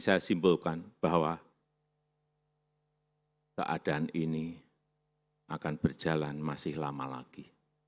saya simpulkan bahwa keadaan ini akan berjalan masih lama lagi